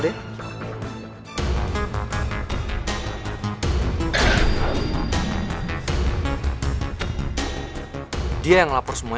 kenapa yang ntwaria